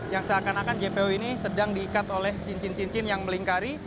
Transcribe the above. yang seakan akan jpo ini sedang diikat oleh cincin cincin yang melingkari